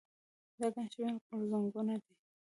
دا ګڼ شمېر غورځنګونه دي.